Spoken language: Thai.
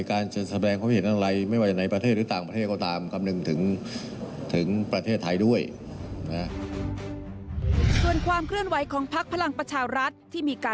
การจะแสดงความผิดอะไร